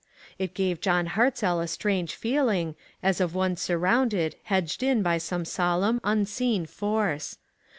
It gave John Hartzell a strange feeling, as of one surrounded, hedged in by some solemn, unseen force.